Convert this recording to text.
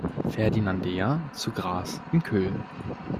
Ferdinandea zu Graz im KÖL.